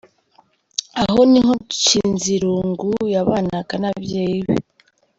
Aha niho Nshizirungu yabanaga n'ababyeyi be.